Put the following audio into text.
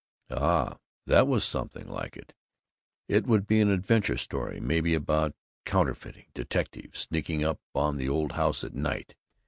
Ah, that was something like it! It would be an adventure story, maybe about counterfeiting detectives sneaking up on the old house at night.